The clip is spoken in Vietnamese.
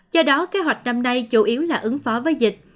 do đó kế hoạch năm nay chủ yếu là ứng phó với dịch